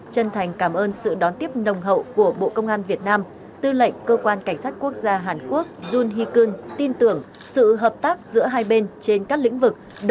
chân thành cảm ơn sự đón tiếp nồng hậu của bộ công an việt nam tư lệnh cơ quan cảnh sát quốc gia hàn quốc yun hikun tin tưởng sự hợp tác giữa hai bên trên các lĩnh vực